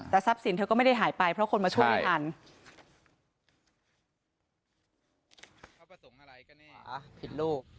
แต่ทรัพย์สินเธอก็ไม่ได้หายไปเพราะคนมาช่วยไม่ทัน